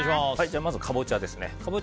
まずカボチャですね。